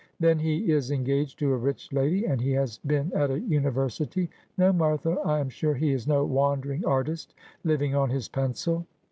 Then he is engaged to a rich lady, and he has been at a university. No, Martha, I am sure he is no wandering artist living on his pencil.'